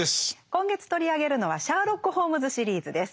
今月取り上げるのはシャーロック・ホームズ・シリーズです。